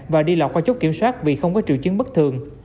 và đi lọt qua chốt kiểm soát vì không có triệu chứng bất thường